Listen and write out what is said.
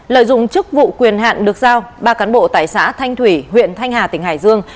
lợi dụng chức vụ quyền hạn được giao ba cán bộ tại xã thanh thủy huyện thanh hà tỉnh hải dương